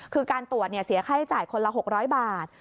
คือการตรวจเสียค่าใช้จ่ายคนละ๖๐๐บาท